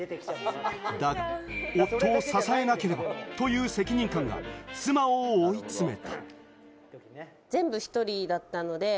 だが夫を支えなければという責任感が妻を追い詰めた。